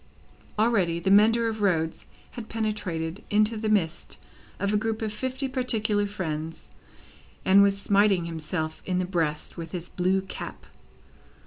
Already, the mender of roads had penetrated into the midst of a group of fifty particular friends, and was smiting himself in the breast with his blue cap.